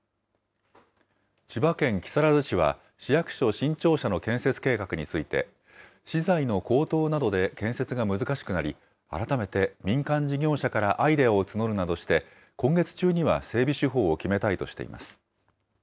千葉県木更津市は市役所新庁舎の新設計画について、資材の高騰などで建設が難しくなり、改めて民間事業者からアイデアを募るなどして、今月中には整備手法を決めたいとしています。